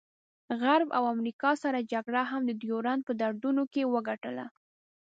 غرب او امریکا سړه جګړه هم د ډیورنډ په دردونو کې وګټله.